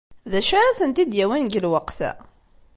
D acu ara tent-id-yawin deg lweqt-a?